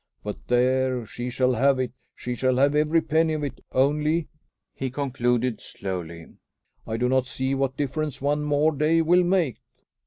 But there, she shall have it! She shall have every penny of it; only," he concluded slowly, "I do not see what difference one more day will make."